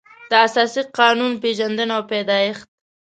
د اساسي قانون پېژندنه او پیدایښت